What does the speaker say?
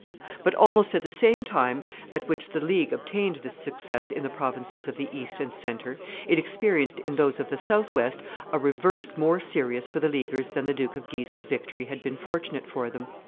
But almost at the same time at which the League obtained this success in the provinces of the east and centre, it experienced in those of the south west a reverse more serious for the Leaguers than the Duke of Guise's victory had been fortunate for them.